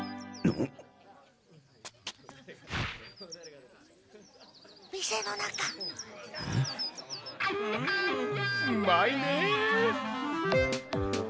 うまいね。